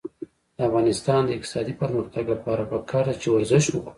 د افغانستان د اقتصادي پرمختګ لپاره پکار ده چې ورزش وکړو.